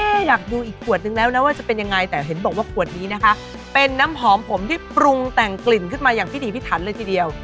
อยากดูอีกขวดนึงแล้วนะว่าจะเป็นยังไงแต่เห็นบอกว่าขวดนี้นะคะเป็นน้ำหอมผมที่ปรุงแต่งกลิ่นขึ้นมาอย่างพิถีพิถันเลยทีเดียว